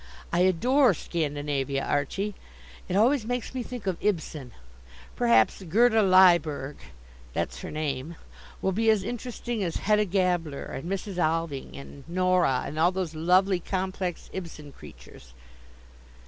I adore Scandinavia, Archie. It always makes me think of Ibsen. Perhaps Gerda Lyberg that's her name will be as interesting as Hedda Gabler, and Mrs. Alving, and Nora, and all those lovely complex Ibsen creatures."